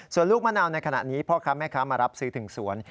ส่วนลูกมะนาวในขณะนี้พ่อค้าแม่ค้ามารับซื้อถึงสวน